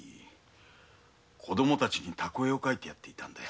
子供たちにタコ絵を描いてやっていたんだ。